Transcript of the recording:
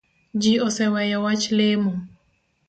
Ji oseweyo wach lemo